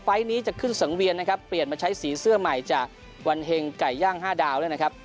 ไฟล์ทนี้จะขึ้นสังเวียนเปลี่ยนมาใช้สีเสื้อใหม่จากวันแห่งไก่ย่าง๕ดาว